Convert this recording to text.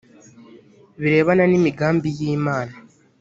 birebana n imigambi y imana